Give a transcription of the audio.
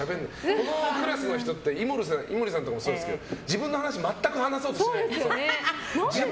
このクラスの人って井森さんもそうですけど自分の話を全く話そうとしない。